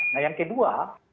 nah yang kedua